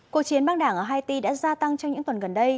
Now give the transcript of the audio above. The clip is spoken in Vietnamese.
cuộc chiến băng đảng ở haiti đã gia tăng trong những tuần gần đây